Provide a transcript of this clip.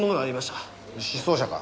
失踪者か？